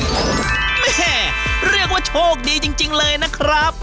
แม่เรียกว่าโชคดีจริงเลยนะครับ